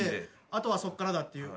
あとはそっからだっていう。